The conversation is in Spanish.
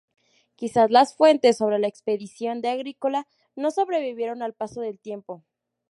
Quizás las fuentes sobre la expedición de Agrícola no sobrevivieron al paso del tiempo.